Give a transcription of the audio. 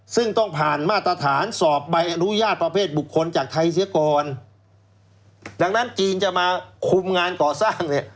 ซึ่งต้องผ่านมาตรฐานสอบใบอนุญาตประเภทบุคคลจากไทยเสียก่อนดังนั้นจีนจะมาคุมงานก่อสร้างเนี่ย